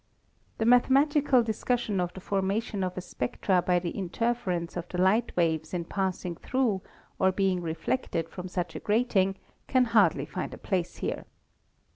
The 32 ASTRONOMY mathematical discussion of the formation of the spectra by the interference of the light waves in passing through or being reflected from such a grating can hardly find a place here.